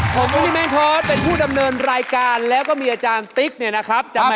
ผมวันนี้แม่งทอสเป็นผู้ดำเนินรายการแล้วก็มีอาจารย์ติ๊กเนี่ยนะครับ